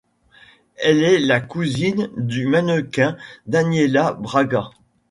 Elle est la cousine du mannequin Daniela Braga.